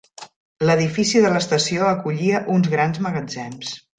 L'edifici de l'estació acollia uns grans magatzems.